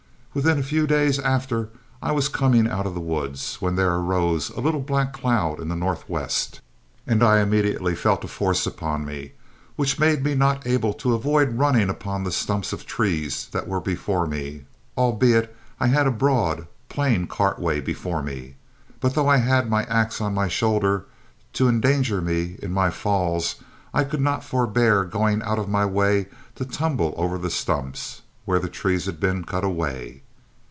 "Within a few days after, I was coming out of the woods, when there arose a little black cloud in the northwest, and I immediately felt a force upon me, which made me not able to avoid running upon the stumps of trees that were before me, albeit I had a broad, plain cart way before me; but though I had my axe on my shoulder, to endanger me in my falls, I could not forbear going out of my way to tumble over the stumps, where the trees had been cut away.